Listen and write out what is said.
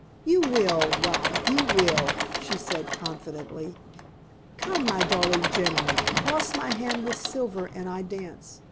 "You will, rye, you will," she said confidentially. "Come, my darling gentleman, cross my hand with silver and I dance.